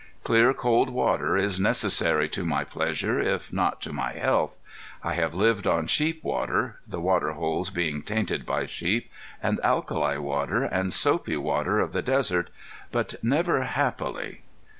Clear, cold water is necessary to my pleasure, if not to my health. I have lived on sheep water the water holes being tainted by sheep and alkali water and soapy water of the desert, but never happily.